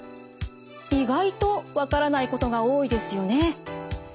意外と分からないことが多いですよね。